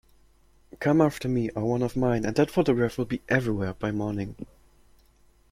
Come after me or one of mine, and that photograph will be everywhere by morning.